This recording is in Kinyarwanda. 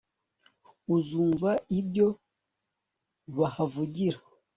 uzumva ibyo bahavugira